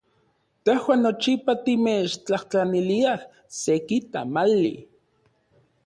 Tejuan nochipa timechtlajtlaniliaj seki tamali.